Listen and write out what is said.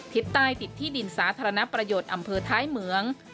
ใต้ติดที่ดินสาธารณประโยชน์อำเภอท้ายเหมือง